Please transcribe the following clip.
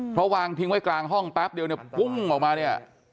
เพราะวางทิ้งไว้กลางห้องแป๊บเดียวเนี่ยปุ้งออกมาเนี่ย